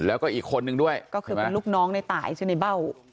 แล้วก็อีกคนนึงด้วยก็คือเป็นลูกน้องในตายชื่อในเบ้า